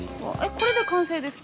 ◆これで完成ですか。